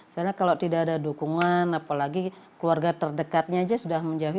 karena kalau tidak ada dukungan apalagi keluarga terdekatnya aja sudah menjauhi